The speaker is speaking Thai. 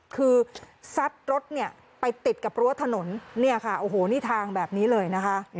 คือซัดรถเนี่ยไปติดกับรั้วถนนเนี่ยค่ะโอ้โหนี่ทางแบบนี้เลยนะคะ